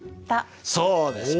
そうです！